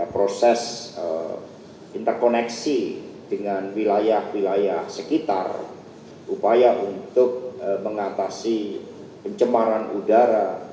proses interkoneksi dengan wilayah wilayah sekitar upaya untuk mengatasi pencemaran udara